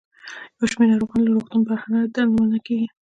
یو شمېر ناروغان له روغتون بهر درملنه کیږي.